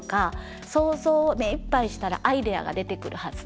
想像を目いっぱいしたらアイデアが出てくるはず。